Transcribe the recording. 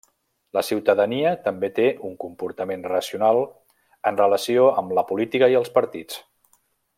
La ciutadania també té un comportament racional en relació amb la política i els partits.